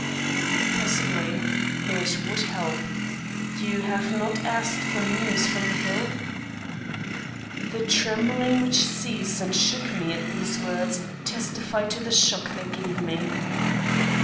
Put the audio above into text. "Possibly. It would help. You have not asked for news from the Hill." The trembling which seized and shook me at these words testified to the shock they gave me.